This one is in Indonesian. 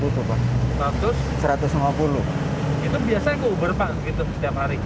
itu biasanya ke uber pak setiap hari